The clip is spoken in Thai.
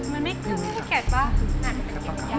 มันไม่เก็ดป่ะ